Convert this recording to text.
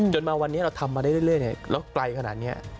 จนมาวันนี้เราทำมาเรื่อยแล้วกลายขนาดนี้